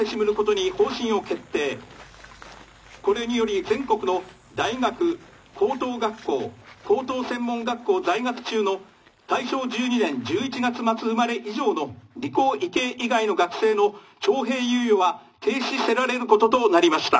これにより全国の大学高等学校高等専門学校在学中の大正１２年１１月末生まれ以上の理工医系以外の学生の徴兵猶予は停止せられることとなりました」。